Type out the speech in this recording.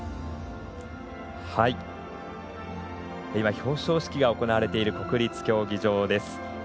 表彰式が行われている国立競技場です。